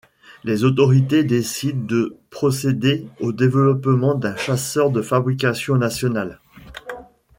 Les autorités décident de procéder au développement d'un chasseur de fabrication nationale.